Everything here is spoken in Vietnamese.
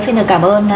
xin được cảm ơn